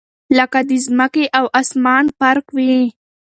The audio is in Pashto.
لكه دځمكي او اسمان فرق وي